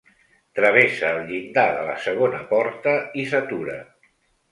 Travessa el llindar de la segona porta i s'atura.